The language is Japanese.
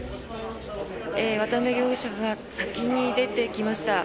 渡邉容疑者が先に出てきました。